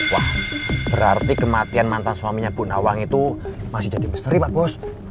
wah berarti kematian mantan suaminya bu nawang itu masih jadi misteri bagus